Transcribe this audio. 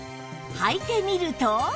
履いてみると